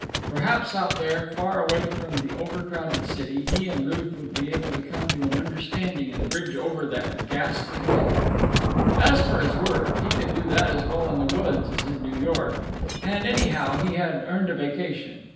Perhaps out there, far away from the over crowded city, he and Ruth would be able to come to an understanding and bridge over that ghastly gulf. As for his work, he could do that as well in the woods as in New York. And, anyhow, he had earned a vacation.